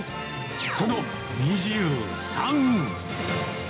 その２３。